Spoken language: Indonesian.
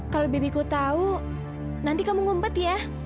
kalau bibiku tahu nanti kamu ngumpet ya